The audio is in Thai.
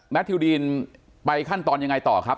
ทิวดีนไปขั้นตอนยังไงต่อครับ